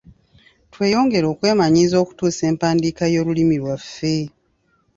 Tweyongere okwemanyiiza okutuusa empandiika y’olulimi lwaffe.